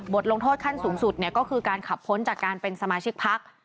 ลงโทษขั้นสูงสุดก็คือการขับพ้นจากการเป็นสมาชิกพัก